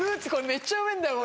めっちゃうめえんだよ